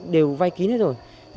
đều vay kín hết rồi